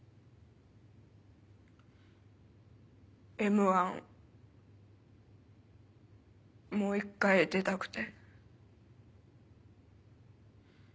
『Ｍ−１』もう１回出たくて。